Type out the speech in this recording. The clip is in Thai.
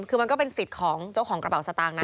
คือมันก็เป็นสิทธิ์ของเจ้าของกระเป๋าสตางค์นะ